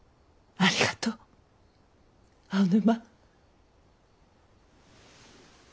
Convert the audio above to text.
ありがとう青沼。